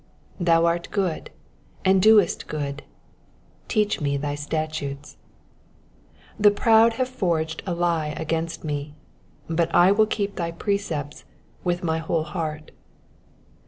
68 Thou art good, and doest good ; teach me thy statutes. 69 The proud have forged a lie against me : but I will keep thy precepts with my whole heart.